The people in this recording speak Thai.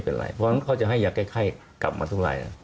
เพราะฉะนั้นเขาจะให้ยาใกล้กลับมาทุกลายเลย